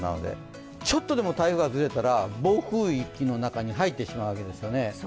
ちょっとでも台風がずれたら暴風域の中に入ってしまうわけです。